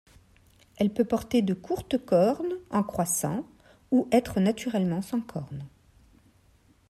Elle peut porter de courtes cornes en croissant ou être naturellement sans cornes.